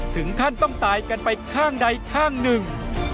ถึงขั้นต้องตายกันไปข้างใดข้างหนึ่ง